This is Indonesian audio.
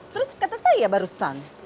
terus kata saya barusan